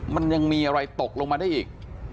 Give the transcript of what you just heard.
มันยังมีอะไรตกลงมาได้อีก